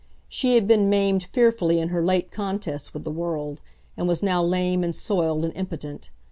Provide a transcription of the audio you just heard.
She had been maimed fearfully in her late contests with the world, and was now lame and soiled and impotent.